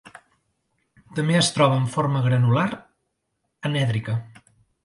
També es troba en forma granular anèdrica.